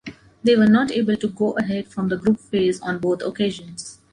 They were not able to go ahead from the group phase on both occasions.